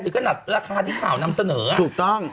ถึงเกินระคาที่ข่าวนำเสนอ